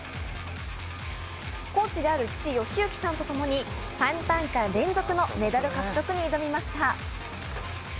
コーチである父・義行さんとともに３大会連続のメダル獲得に挑みました。